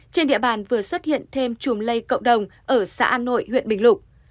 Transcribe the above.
trên địa bàn vừa xuất hiện thêm chùm lây cộng đồng ở xã an nội huyện bình lục